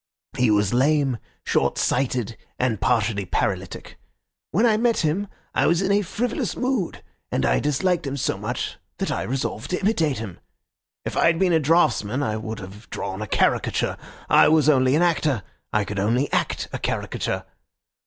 He was lame, shortsighted, and partially paralytic. When I met him I was in a frivolous mood, and I disliked him so much that I resolved to imitate him. If I had been a draughtsman I would have drawn a caricature. I was only an actor, I could only act a caricature.